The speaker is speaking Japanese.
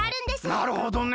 なるほどね。